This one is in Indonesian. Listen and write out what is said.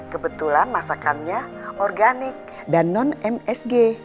kebetulan masakannya organik dan non msg